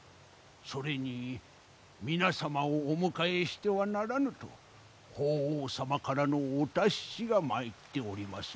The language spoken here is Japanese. それに皆様をお迎えしてはならぬと法皇様からのお達しが参っております。